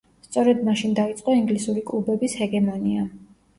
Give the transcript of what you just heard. სწორედ მაშინ დაიწყო ინგლისური კლუბების ჰეგემონია.